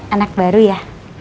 anak baru ya